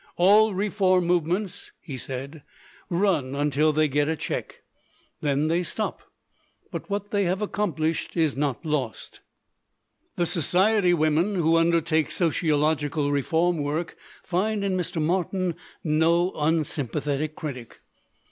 "All reform movements," he said, "run until they get a check. Then they stop. But what they have accomplished is not lost." The society women who undertake sociological 126 THE PASSING OF THE SNOB reform work find in Mr. Martin no unsympathetic critic.